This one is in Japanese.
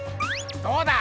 どうだ！